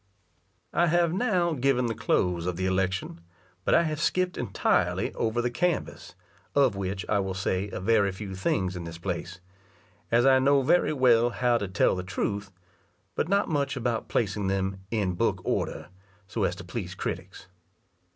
I have now given the close of the election, but I have skip'd entirely over the canvass, of which I will say a very few things in this place; as I know very well how to tell the truth, but not much about placing them in book order, so as to please critics.